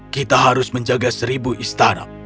kita harus menjaga seribu istana